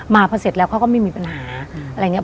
มาพอเสร็จแล้วเขาก็ไม่มีปัญหานะ